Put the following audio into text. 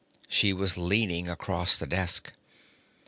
She was leaning across the desk.